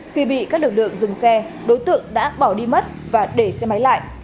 khi bị các lực lượng dừng xe đối tượng đã bỏ đi mất và để xe máy lại